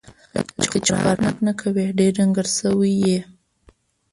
لکه چې خوراک نه کوې ، ډېر ډنګر سوی یې